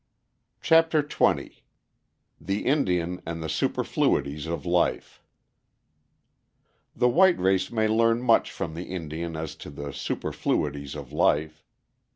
CHAPTER XX THE INDIAN AND THE SUPERFLUITIES OF LIFE The white race may learn much from the Indian as to the superfluities of life.